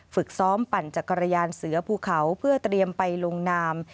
ฝึกซ้อมปั่นจักรยานเสือภูเขาเพื่อเตรียมไปลงนาม